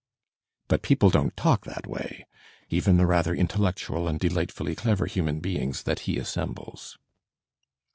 But people don*t talk that way, even the rather intellectual and delightfully clever human beings that he assembles.